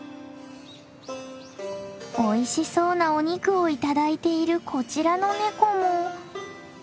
おいしそうなお肉をいただいているこちらのネコも。